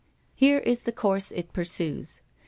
"Here is the course it pursues.